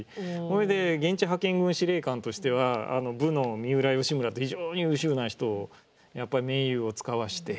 ほいで現地派遣軍司令官としてはあの武の三浦義村と非常に優秀な人をやっぱり盟友を遣わして。